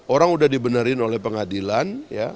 orang udah di benerin oleh pengadilan